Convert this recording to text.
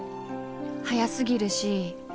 早すぎるし。